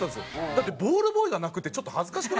だってボールボーイが泣くってちょっと恥ずかしくないですか？